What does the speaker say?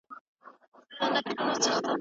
هغه د کورنۍ په چارو کې مشوره ورکوي.